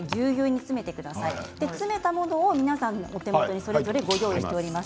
詰めたものを、皆さんのお手元にご用意しています。